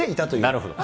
なるほど。